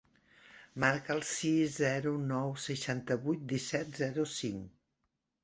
Marca el sis, zero, nou, seixanta-vuit, disset, zero, cinc.